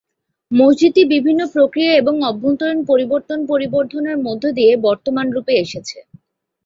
মসজিদটি বিভিন্ন প্রক্রিয়া এবং অভ্যন্তরীণ পরিবর্তন-পরিবর্ধনের মধ্য দিয়ে বর্তমান রূপে এসেছে।